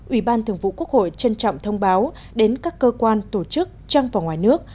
ủy ban thường vụ quốc hội trân trọng thông báo đến các cơ quan tổ chức trang và ngoài nước